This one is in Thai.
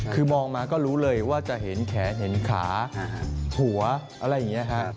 คือมองมาก็รู้เลยว่าจะเห็นแขนเห็นขาหัวอะไรอย่างนี้ครับ